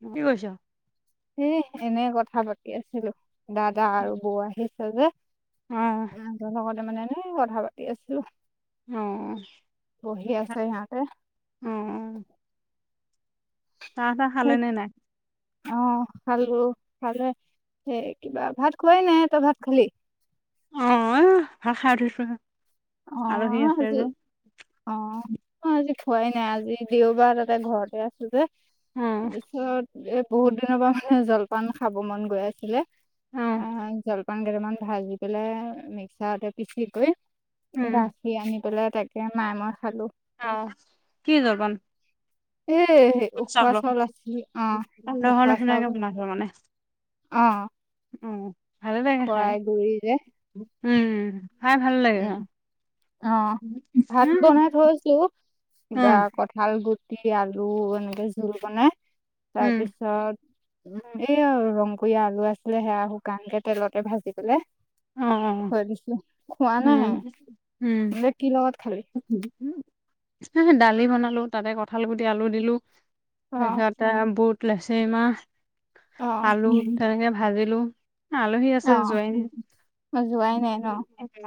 কি কিৰিছ। সে এনে কথা পাতি আছিলো দাদা আৰু বৌ আহিছে যে। অ', আহ তৰ লগতে মানে এনেই কথা পাতি আছো। অ। বহি আছে সিহঁতে। আ চাহ-তাহ খালে নে নাই? অ খালো ভালে সেই কিবা ভাত খোৱাই নাই। তই ভাত খালি? অ ভাত খাই উঠিছো হে। অ আলহী আছে সকি যে। অ অ আজি খোৱাই নাই আজি দেওবাৰ তাতে ঘৰতে আছো যে অ', তাৰপিছত এ বহুত দিনৰ পৰা মানে জলপান খাব মন গৈ আছিলে। অ', আ জলপান কেইটামান ভাজি পেলাই মিক্সাৰতে পিচি কৰি উম, গাখীৰ আনি পেলাই তাকে মাই মই খালো। অ কি জলপান? এ উখোৱা চাউল আছিল অ সান্দহৰ উখোৱা নিচিনাকে চাউল বনাইছে অ উম খৰাই গুৰি যে উম খাই ভাল লাগে উম অ ভাত অ', বনাই থৈছো কিবা কঁঠাল গুটি গুটি আলু এনেকে জোল বনাই উম। তাৰপিছত এইয়া ৰংপুৰীয়া আলু আছিলে সেয়া শুকানকে তেলতে ভাজি পেলাই অ', অ'। থৈ দিছোঁ খোৱা উম, উম, নাই এ কি লগত খালি দালি বনালো তাতে কঁঠাল গুটি আলু দিলো অ তাৰপিছতে বুট লেচেৰী মাহ অ আলু তেনেকে ভাজিলো আলহী আছে জোৱাই নাই অ যোৱাই নাই ন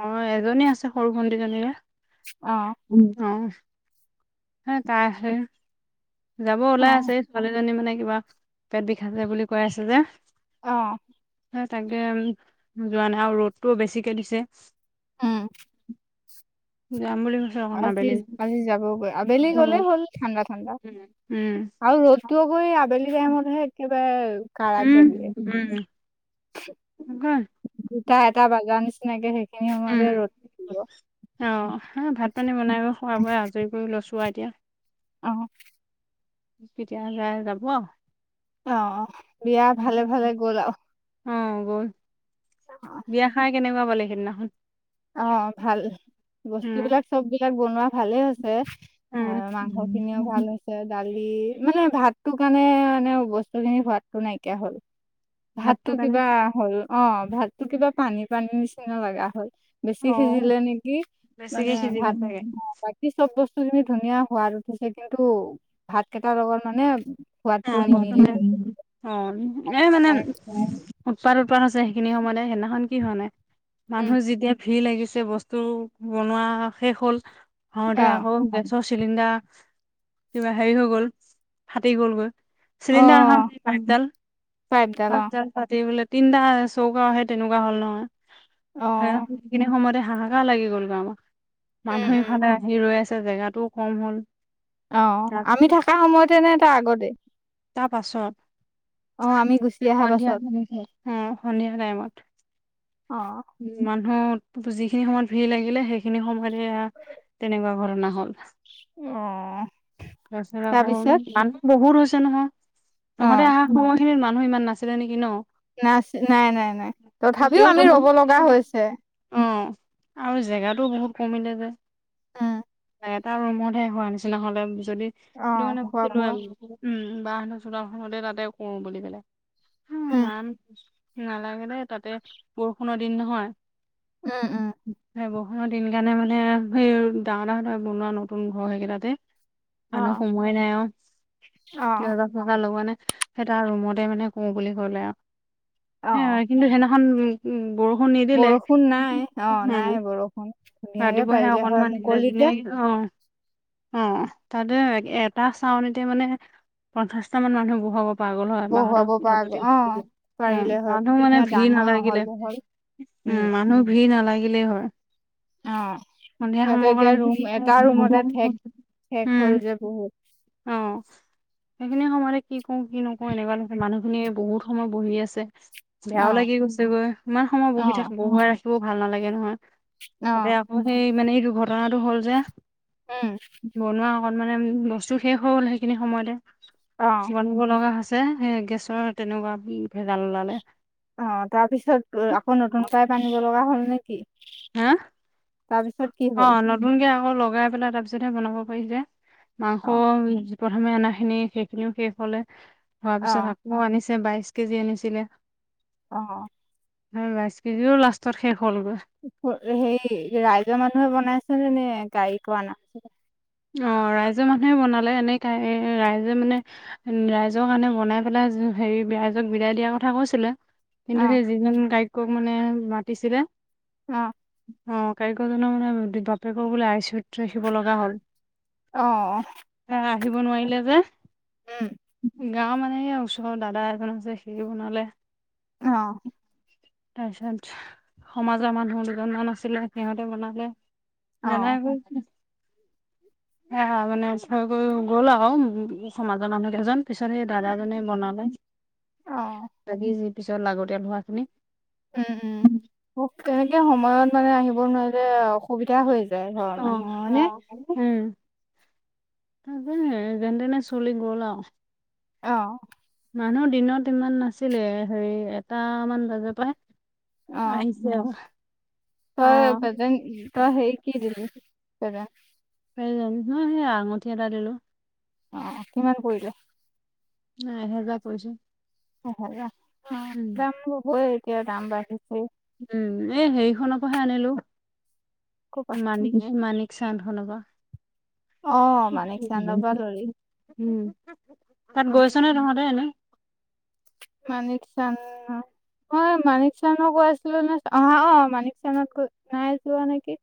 অ এজনী আছে সৰু ভণ্টিজনীৰে অ অ তাই আহে যাব অ ওলাই আছে ছোৱালীজনী মানে কিবা পেট বিখাইছে বুলি কৈ আছে যে অ তাকে যোৱা নাই আৰু ৰ'দটো বেছিকে দিছে উম যাম বুলি কৈছে অকণ আজি আবেলি আজি যাব গৈ আবেলি উম গ'লেই হ'ল ঠাণ্ডা ঠাণ্ডা উম আৰু ৰ'দটো আক এ আবেলি টাইমতহে একেবাৰে কাৰাকে উম দিয়ে উম [unintelligible] তাই এটা বাগাৰ নিচিনাকে সেই উম অ ভাত পানী বনাই খুৱাই বোৱাই আজৰি কৰি লৈছোঁ এতিয়া অ কেতিয়া যায় যাব আও। অ বিয়া ভালে ভালে গ'ল আও। অ গল বিয়া খাই কেনেকুৱা পালে সেইদিনাখন। অ ভাল বস্তু উম বিলাক চব বিলাক বনোৱা ভালে হৈছে। মাংস উম খিনিও ভাল হৈছে দালি। মানে ভাটোৰ কাৰণে এনে বস্তু খিনি সোৱাদটো নাইকিয়া হ'ল। ভাতটো কিবা হ'ল অ ভাতটো কিবা পানী পানীৰ নিচিনা লগা হ'ল বেছি অ সিজিলে নেকি বেছিকে মানে সিজিলে ভাত চাগে বাকী চব বস্তু বস্তু খিনি ধুনীয়া সোৱাদ উঠিছে কিন্তু ভাত কেইটাৰ লগত মানে সোৱাদটো বৰ অ নিমিলিলে মানে ইমান উৎপাত হৈছে সেইখিনি সময়তে সেইদিনাখন কি হোৱা নাই উম, মানুহ যেতিয়া ভিৰ লাগিছে বস্তু বনোৱা শেষ হ'ল অ ভৰাওঁতে আকৌ চিলিণ্ডাৰ কিবা হেৰি হৈ গ'ল ফাটি গ'লগৈ অ চিলিন্দাৰ নহয় পাইপদাল পাইপডাল অ পাইপদাল ফাটি গল তিনিটা চৌকা হে তেনেকুৱা হ'ল নহয় অ সেই সেইখিনি সময়তে হাহাকাৰ লাগি গ'ল আমাৰ উম মানুহ উম ইফালে আহি ৰৈ আছে জেগাটোও কম হ'ল অ তাৰ আমি থকা সময়তে নে তাৰ আগতে তাৰ অ আমি গুচি পাছত অহা সন্ধিয়া পাছত সময়ত অ সন্ধিয়া টাইমত অ মানুহ। যিখিনি সময়ত ভিৰ লাগিলে সেইখিনি সময়ত হে তেনেকুৱা ঘটনা হ'ল। অ তাৰপিছত আকৌ মানুহ বহুত হৈছে নহয়। অ তহঁতে অহা সময়খিনিত মানুহ ইমান নাছিলে নেকি ন। ক্লাছ নাই নাই নাই তথাপিও তেওঁতো আমি ৰব লগা হৈছে। অ আৰু জেগাটো বহুত কমিলে যে। উম এটা ৰুমত হোৱা নিচিনা হ'লে যদি অ সেইটো কাৰণে খোৱা বোৱা [unintelligible] স উম বাহ চা। নহ'লে তাতে কৰো বুলি কেনে উমহ উম, মাম নালাগে দে তাতে প। কোনো দিন নহয়। উম উম। ৰ দিন কাৰণে মানে সেই ডাঙৰ ডাহ বনোৱা নতুন ঘৰ সেইকেইটাতে। মানুহ অ', সোমোৱাই নাই অ। অ', দুহাজাৰ টকা লগোৱা নে সেই তাৰ ৰুমতে মানে কওঁ বুলি ক'লে আৰু। হ অ', কিন্তু সেইনাখন উ উ। বৰষুণ নিদিলে বৰষুণ নাই, অ', উম নাই বৰষুণ। ধুনীয়াকে ৰাতিপুৱাহে পাৰিলে হয়, অকনমান দিলে মুকলিতে ধুনীয়াকে। অ অ অ তাতে। এটা চাউনিতে মানে পঞ্চাশটা মান মানুহ বঢ়োব। পাগল হয় বাহ বহুৱাব পৰা হতৰ গ- অ', উ পাৰিলে হয়, মানো মানে ধুনীয়া ভিৰ ডাঙৰ আহল নালাগিলে। বহল, উম মানুহ ভিৰ নালাগিলেই হয়। অ সন্ধিয়া সিহঁতে এতিয়া সময়কণ কি ৰুম কৰো এটা কি ৰুমতে নকৰো, ঠেক। ঠেক হ'ল উম যে বহুত। অ। সেইখিনি সময়তে কি কওঁ কি নকওঁ এনেকুৱা মানুহখিনিয়ে বহুত সময় বহি আছে। বেয়াও অ', লাগি গৈছে গৈ ইমান সময় বহি থাক অ', বহুৱাই ৰাখিবও ভাল নালাগে নহয়। তাতে অ', আকৌ সেই মানে এইটো ঘটনাটো হ'ল যে। উম। বনোৱা মানে বস্তু শেষ হৈ হ'ল সেইখিনি সময়তে অ'। সামৰিব লগা হৈছে। সে গেছৰ তেনেকুৱা ভেজাল ওলালে। অ তাৰ পিছত অ আকৌ নতুন টাইপ আনিব লগা হ'ল নেকি। হা অ হ'ল? নতুনকে আকৌ লগাই পেলাই তাৰপিছত। বনাব পাৰি যে মাংস অ', প্ৰথমে অনা খিনি সেইখিনিও শেষ হ'লে। হোৱাৰ পিছত অ', আকৌ আনিছে বাইশ কেজি আনিছিলে। অ অ। হয় বাইশ কেজিও লাষ্টত শেষ হ'লগৈ হেই ৰাইজৰ মানুহে বনাইছে নে কাৰিকৰ আনা। অ ৰাই ৰাইজৰ মানুহে বনালে এনে কাই ৰাইজে মানে উ ৰাইজৰ কাৰণে বনাই পেলাই হেৰি বেয়া ৰাইজক বিদায় দিয়াৰ কথা কৈছিলে কিন্তু অ', সেই যিজন কাৰিকক মানে মাতিছিলে। অ। অ কাৰিকৰজনৰ মানে বাপেকৰ বোলে আই চইত ৰাখিব লগা হ'ল। অ অহ। আহিব নোৱাৰিলে যে। উম। গাঁও মানে ওচৰৰ দাদা এজন আছে সিয়ে বনালে। অ। তাৰপিছত সমাজৰ মানুহ দুজনমান আছিলে সিহঁতে বনালে। না না অ', গৈছে। এয়া মানে ওচৰ গৈ গ'ল আৰু সমাজৰ মানুহ কেইজন। পিছত সেই দাদাজনে বনালে অ', বাকী যি পিছত লাগতিয়াল হোৱা খিনি। উম উম মোক তেনেকে সময়ত মানে আহিব নোৱাৰিলে অসুবিধা হৈ যায়। ঘৰৰ অঁ মানুহৰ হয়নে? অঁ উমঁ। যেনে তেনে চলি গ'ল আও। অহঁ। মানুহ দিনত ইমান নাছিলে হেৰি এটামান বজাৰ পৰা-। অ', আহিছে ক। তই পেজেন্ট তই হেৰি কি' দিলি পেজেন্ট? পেজেন্ট সেইয়াই আঙঠি এটা দিলো। অ কিমান পৰিলে? নাই এহেজাৰ পৰিছে। অ উম, দাম লবই এতিয়া দাম বাঢ়িছেই। উম এ হেৰিখনৰ পৰাহে আনিলো। ক'পা মানিক মানিক চান্দ খনৰ পৰা। অ', মানিক চান্দৰ পৰা ললি উম। তাত গৈছ নে তহঁতে এনেই? মানিক চান- অ মানিক চানত গৈছিলো নে অ মানিক চাণত নাই যোৱা নেকি?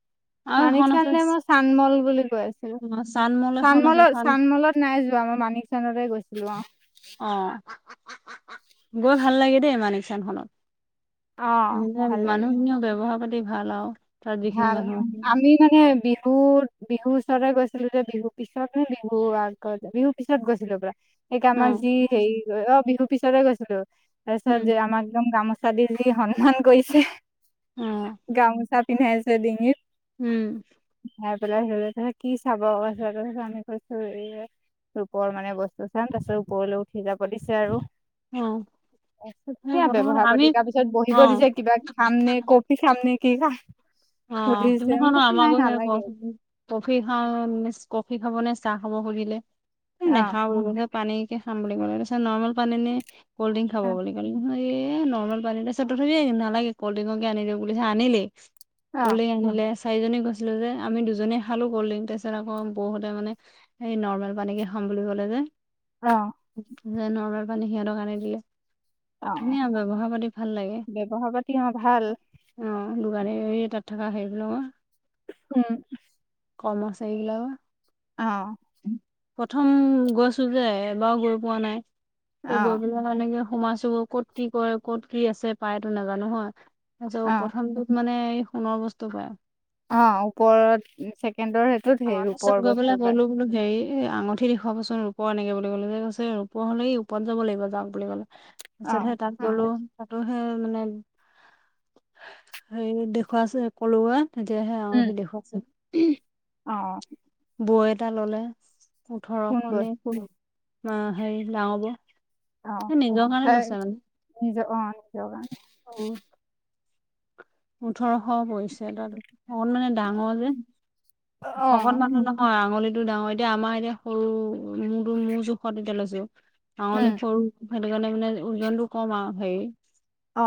আৰু মানিক এখন আছে চানলে নে চানমল বুলি গৈছিলো। অ', চানমল এখন আছে চানমলত, চান চানমলত নাই যোৱা। আমাৰ মানিক চানতে গৈছিলো অঁ। অ', গৈ ভাল লাগে দেই মানিক চান খনত। অ ভাল লাগে মানুহখিনিও ব্যৱহাৰ পাতি ভাল আউ। ভাল। আমি মানে বিহুত বিহুৰ ওচৰতে গৈছিলো যে বিহুৰ পিছতহে বিহু আগত বিহুৰ পিছত গৈছিলো হ'বলা। সেইকে অ', আমাক যি হেৰি অ বিহুৰ পিছতে গৈছিলো। উম। তাৰপিছত আমাক একদম গামোচা সিহাতেজি সন্মান কৰিছে, অ', গামোচা পিন্ধাইছে ডিঙিত। উম। গৈ পেলাই সিহঁতে কলে কি চাব তাৰপিছত আমি কৈছো এইয়াই ৰূপৰ মানে বস্তু চাম। তাৰপিছত ওপৰলৈ উঠি যাব দিছে আৰু। অ। সেই সেইয়াই প্ৰথমতে ব্যৱহাৰ আমি পাতি। তাৰ পিছত অ', বহিব দিছে কিবা খাম নে, কফি খাম নে কি খাম? অ সুধিছে মই সেইদিনাখন ও কৈছো নাই আমাকো সেই নালাগে কফি খা খাব নে চাহ খাব সুধিলে এ' অ নেখাওঁ বুলি পানী কে খাম বুলি ক'লো। তাৰপিছত নৰ্মেল পানী নে কল্ড ড্ৰিংক খাব বুলি ক'লে নহয়। এ' নৰ্মেল পানী এ' নেলাগেই তথাপিও নালাগে কল্ড ড্ৰিংককে আনি দওঁ বুলি আনিলেই। অ কল্ডড্ৰিং আনিলে। চাৰিজনী গৈছিলো যে আমি দুজনীয়ে খালো কল্ড ড্ৰিং তাৰ পিছত আকৌ বও হ'তে মানে এই নৰ্মেল পানীকে খাম- বুলি ক'লে যে। অঁ নৰ্মেল পানী সিহঁতক আনি দিলে। অ ধুনীয়া ব্যৱহাৰ পাতি ভাল লাগে, ব্যৱহাৰ পাতি অ ভাল অ। দোকানী তাত থকা সেইবিলাক উম। কৰ্মচাৰী বিলাকো অ। প্ৰথম গৈছো যে এবাৰো গৈ পোৱা নাই। ত' অ গৈ পেলাই সেনেকে সোমাইছোগৈ ক'ত কি কৰে, ক'ত কি আছে পায়টো নাজানো হয়। অ তাৰপিছত প্ৰথমটোত মানে সোণৰ বস্তু পায়। অ ওপৰত ছেকেণ্ডৰ সেইটোত সেই আমাৰ ৰূপৰ পিছত গৈ বস্তু পেলাই পায় ক'লো বোলো হেৰি এ' আঙুঠি দেখুৱাবচোন। ৰূপৰ এনেকে বুলি ক'লো কৈছে ৰূপৰ হ'লে এই ওপৰত যাব লাগিব যাওঁক বুলি ক'লে। অ তাৰপিছত তাত অ গ'লো তাতো সেই মানে হেৰি দেখুৱাচোন কলো মই। তেতিয়াহে উম আঙঠি দেখুৱাকচোন। অ বৌ এটা ললে, কোন ওঠৰশনে বস্তু ক অ হেৰি ডাঙৰ বৌ। অ নিজৰ কাৰণে তাই লৈছে মানে, নিজৰ অ নিজৰ কাৰণে অ। ওঠৰশ পৰিছে। তাত অকন মানে ডাঙৰ যে অ শকত মানুহ নহয় আঙুলিত টো ডাঙৰ এতিয়া আমাৰ এতিয়া সৰু মোৰটো-মোৰ জোখত এতিয়া লৈছো আঙুলি উম সৰু। সেইটো কাৰণে মানে ওজনটো কম আৰু হেৰি। অ।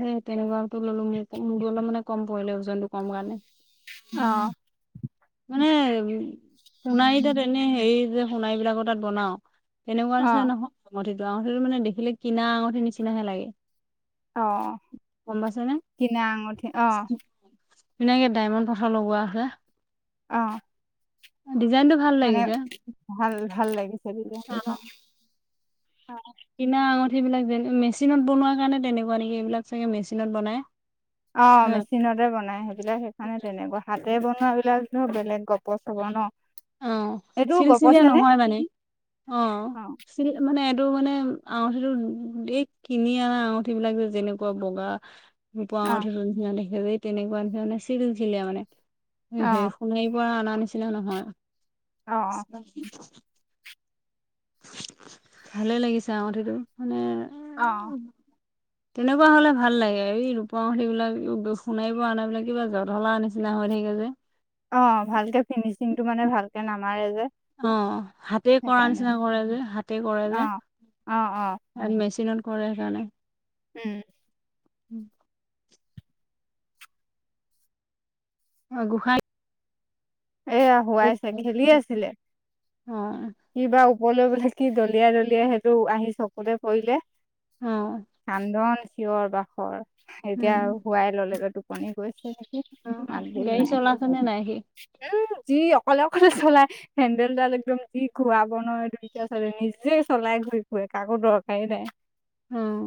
সেই তেনেকুৱটো ললো মোৰ মোৰো অলপ মানে কম পঢ়িলে ওজনটো কম কাৰণে। অ। মানে উ সোণাৰী তাত এনেই হেৰি যে সোণাৰী বিলাকৰ তাত বনাও। তেনেকুৱা অ নিচনা নহয় আঙঠটো আঙঠটো মানে দেখিলে কিনা আঙঠি নিচিননাহে লাগে। অহ গম পাইছে নে কিনে আঙঠি অহ। চনোকে ডায়মণ্ড পথাৰ লগোৱা আছে। অহ। ডিজাইনটো ভাল মানে লাগিছে ভাল ভাল লাগিছে তেতিয়া হলে অ', ন। কিনা আঙঠি বিলাক যে মেচিনত বনোৱাৰ কাৰণে তেনেকুৱা নেকি এইবিলাক চাগে মেচিনত বনাই। অ হয় মেচিনতে বনাই সেইবিলাক সেইকাৰণে তেনেকা হাতে বন। সেইবিলাক ন বেলেগ গপ চব ন। অ এইটো চিলচিলিয় গপচে নে নহয় মানে অ চিল মানে এইটো মানে। আঙঠি এই কিনি অনা আঙঠি বিলাক যে যেনেকুৱা বগা। পুৱা অ উঠি দেখেই তেনেকুৱা এ মানে চিলছিলা মানে। অ সে সোণাৰ পৰা অনা নিছিলে অ নহয়। ভালে লাগিছে আঙঠিটো মানে। অ। তেনেকুৱা হলে ভাল লাগে এই ৰূপাঙলীবিলাক সোণাইিব আনাবিলাক কিবা জত হলা নিচিনা হয় থাকে। সেইয়া যে। অ ভালকে ফিনিচিংটো মানে ভালকে নামাৰে যে অ হাতে কৰা সেইকাৰণে নিচিনা কৰে যে হাতে কৰে যে। অ অ অ মেচিনত কৰে সেইকাৰণে। উম। উম। অ গোসাই। এয়া হুৱাইছে খেলি আছিলে। অ ক বা ওপৰলৈ বোলে কি দলিয় দলিয় সেইটো আহি চকুৰে পৰিলে। অ কান্দন চিঞৰ বাখৰ এতিয়া উম হোৱাই ললে যে ত। পণ গৈছে নেকি অ মাৰদ গাড়ী নাই। চলাইছে নে নাই সি যি অকলে অকলে চলাই হেন্দলডাল একদম। যি খৰা ব নোৱ দুইটা ছোৱালী নিজে চলাই ঘূৰি ফুৰে কাকো দৰকাৰী নাই। উম।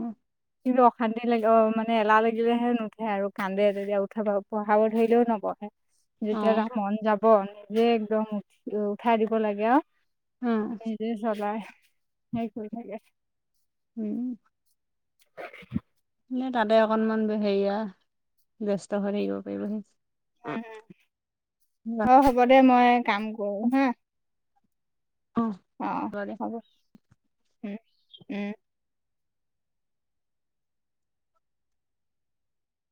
কিন্তু অশান্তি লাগে অ মানে এলাহ লাগিলেহে নুঠে আৰু কান্দে তেতিয়া উঠাব পঢ়াব ধৰিলেও নবঢহে। অ অ যেতিয়া তা মন যাব নিজে একদম উঠি উঠাই দিব লাগে আও। জ চলায় সেই থ। উম। [unintelligible] এ তাতে অকণমান হেৰিয়া ব্যস্ত হৈ থাকিব পাৰিব। অ হ'ব দে মই কাম কৰো হা। অ হব উম উম।